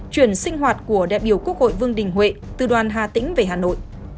chuyển sinh hoạt của đại biểu quốc hội vương đình huệ từ đoàn hà tĩnh về hà nội